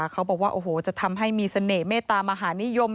เขาบอกว่าโอ้โหจะทำให้มีเสน่หมตามหานิยม